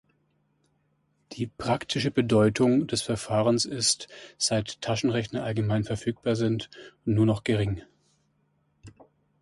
Die praktische Bedeutung des Verfahrens ist, seit Taschenrechner allgemein verfügbar sind, nur noch gering.